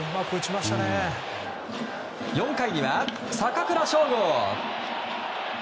４回には坂倉将吾。